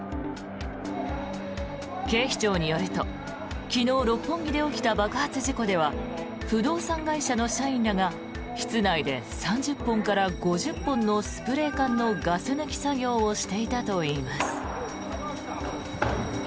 警視庁によると昨日六本木で起きた爆発事故では不動産会社の社員らが室内で３０本から５０本のスプレー缶のガス抜き作業をしていたといいます。